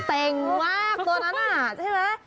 เก่งมากตัวนั้นน่ะใช่ไหม